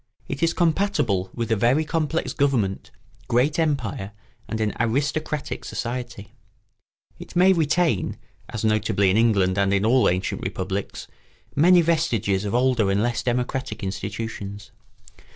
It is compatible with a very complex government, great empire, and an aristocratic society; it may retain, as notably in England and in all ancient republics, many vestiges of older and less democratic institutions.